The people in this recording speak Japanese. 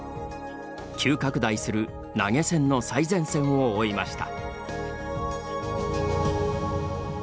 急拡大する投げ銭の最前線を追いました。